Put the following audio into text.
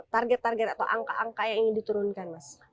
target target atau angka angka yang ingin diturunkan mas